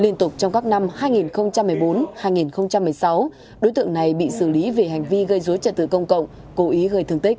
liên tục trong các năm hai nghìn một mươi bốn hai nghìn một mươi sáu đối tượng này bị xử lý về hành vi gây dối trật tự công